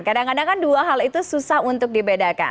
kadang kadang kan dua hal itu susah untuk dibedakan